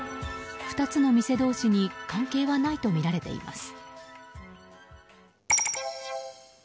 ２つの店同士に関係はないとみられています。